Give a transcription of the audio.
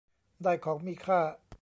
ได้ของมีค่า